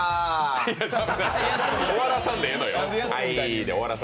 はいで終わらせんでええのよ。